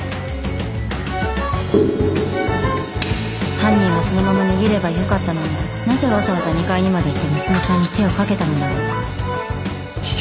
犯人はそのまま逃げればよかったのになぜわざわざ２階にまで行って娘さんに手を掛けたのだろうか。